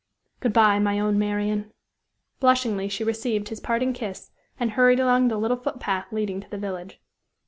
"Good by, my own Marian." Blushingly she received, his parting kiss, and hurried along the little foot path leading to the village.